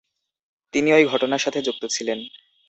তিনি ঐ ঘটনার সাথে যুক্ত ছিলেন।